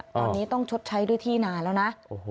ตอนนี้ต้องชดใช้ด้วยที่นานแล้วนะ